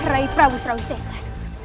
rai prabu serawisese